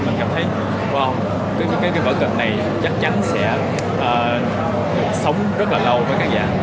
mình cảm thấy qua cái vở kịch này chắc chắn sẽ sống rất là lâu với khán giả